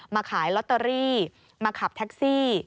มาขายลอตเตอรี่มาขับแท็กซี่